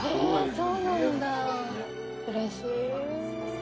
そうなんだ。